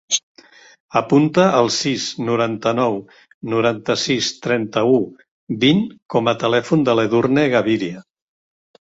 Apunta el sis, noranta-nou, noranta-sis, trenta-u, vint com a telèfon de l'Edurne Gaviria.